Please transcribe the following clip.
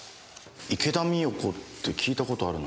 池田美代子って聞いたことあるな。